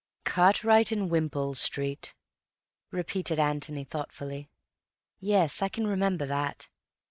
"Cartwright in Wimpole Street," repeated Antony thoughtfully. "Yes, I can remember that.